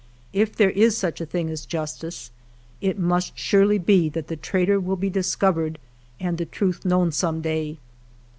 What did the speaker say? If there is such a thing as justice, it must surely be that the traitor will be discovered and the truth known some day.